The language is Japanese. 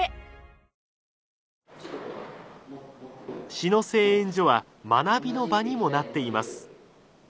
志野製塩所は学びの場にもなっています。